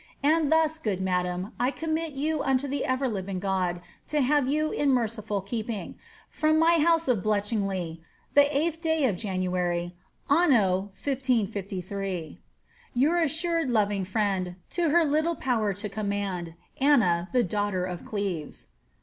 And thus, good madam, I amit you unto the ever living God, to have you in merciful keeping. From ly bouse of Bletchingly, the viiL day of January, anno M.v*.Liii. ^ Your assured loving friend to her little power to command, *' Ahva, the dowghter of Cleves."